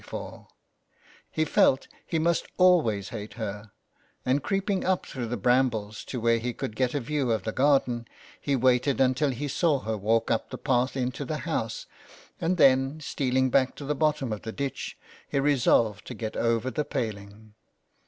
before ; he felt he must always hate her, and creeping up through the brambles to where he could get a view of the garden, he waited until he saw her walk up the path into the house ; and then, stealing back to the bottom of the ditch, he resolved to get over the paling.